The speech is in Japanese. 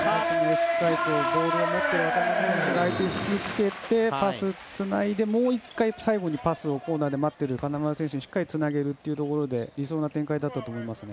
しっかりボールを持って渡邊選手が相手を引きつけてパスをつないで、もう１回最後にコーナーで待っている金丸選手にしっかりとつなげるというところで理想的な展開でした。